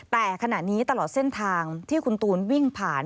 แต่ขณะนี้ตลอดเส้นทางที่คุณตูนวิ่งผ่าน